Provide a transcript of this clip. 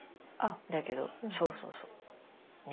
だけどそうそう。ね。